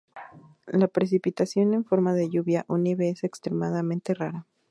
La precipitación en forma de lluvia o nieve es extremadamente rara.